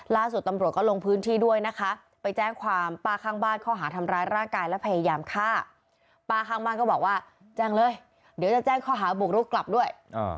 ล่าสุดตำรวจก็ลงพื้นที่ด้วยนะคะไปแจ้งความป้าข้างบ้านข้อหาทำร้ายร่างกายและพยายามฆ่าป้าข้างบ้านก็บอกว่าแจ้งเลยเดี๋ยวจะแจ้งข้อหาบุกรุกกลับด้วย